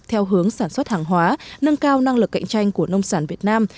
theo hướng sản xuất hàng hóa nâng cao năng lực cạnh tranh của nông sản việt nam